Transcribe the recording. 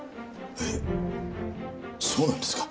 えっそうなんですか？